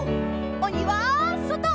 おにはそと！